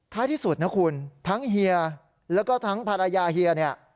ที่สุดนะคุณทั้งเฮียแล้วก็ทั้งภรรยาเฮียเนี่ย